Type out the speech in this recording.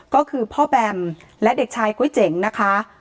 ก็คือพ่อแบมและเด็กชายก๋วยเจ๋งนะคะ